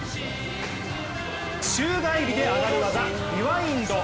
宙返りで上がる技、リワインド。